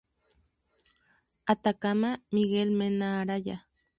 Atacama Miguel Mena Araya.